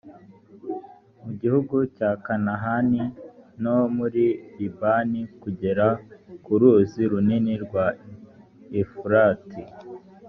mu gihugu cya kanahani no muri libani, kugera ku ruzi runini rwa efurati.